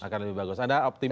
akan lebih bagus anda optimis